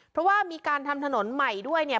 เพราะว่ามีการทำถนนใหม่ด้วยเนี่ย